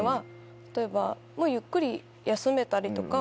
例えばゆっくり休めたりとか。